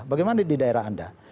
bagaimana di daerah anda